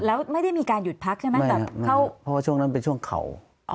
แล้วไม่ได้มีการหยุดพักใช่ไหมแต่เข้าเพราะว่าช่วงนั้นเป็นช่วงเขา